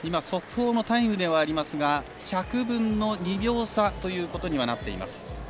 速報のタイムではありますが１００分の２秒差とはなっています。